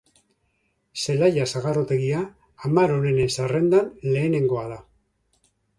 Zelaia sagardotegia hamar onenen zerrendan lehenengoa da.